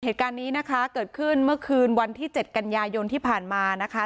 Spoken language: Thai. เหตุการณ์นี้นะคะเกิดขึ้นเมื่อคืนวันที่๗กันยายนที่ผ่านมานะคะ